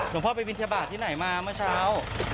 หม่อพ่อไปวิทยาบาลที่ไหนมาเมื่อเช้า